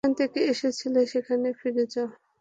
যেখান থেকে এসেছিলে, সেখানে ফিরে যাও।